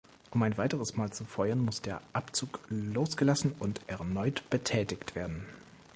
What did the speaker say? Um ein weiteres Mal zu feuern, muss der Abzug losgelassen und erneut betätigt werden.